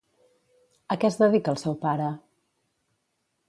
A què es dedica el seu pare?